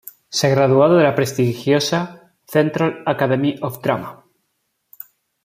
Se graduó de la prestigiosa "Central Academy of Drama".